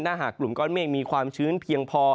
ถ้าหากกลุ่มก้อนเมฆมีความชื้นเพียงพอ